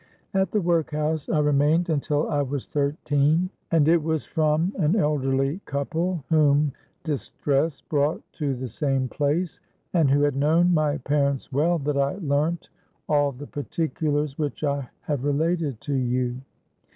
At the workhouse I remained until I was thirteen; and it was from an elderly couple whom distress brought to the same place, and who had known my parents well, that I learnt all the particulars which I have related to you.